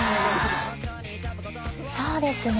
そうですね。